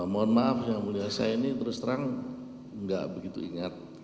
mohon maaf yang mulia saya ini terus terang enggak begitu ingat